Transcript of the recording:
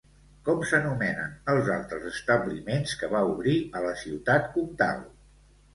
Com s'anomenen els altres establiments que va obrir a la Ciutat Comtal?